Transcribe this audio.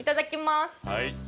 はい。